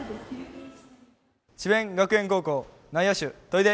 智弁学園高校内野手・砥出